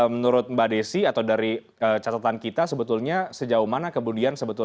menurut mbak desi atau dari catatan kita sebetulnya sejauh mana kemudian sebetulnya